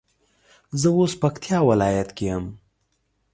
زه اوس پکتيا ولايت کي يم